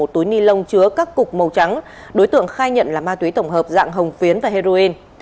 một túi ni lông chứa các cục màu trắng đối tượng khai nhận là ma túy tổng hợp dạng hồng phiến và heroin